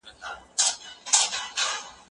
د همکارانو ملاتړ کول د مؤثر کار زمینه برابروي.